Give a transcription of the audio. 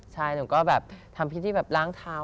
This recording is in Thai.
ใช่หนูก็แบบทำพิธีแบบล้างเท้า